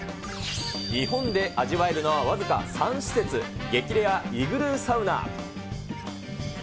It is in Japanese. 日本で味わえるのは僅か３施設、激レアイグルーサウナ。